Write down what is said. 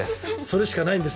それしかないんです